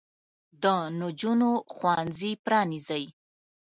د نجونو ښوونځي پرانیزئ.